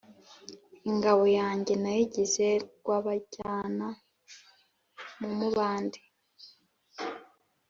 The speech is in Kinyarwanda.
Ingabo yanjye nayigize Rwabajyana mu mubande,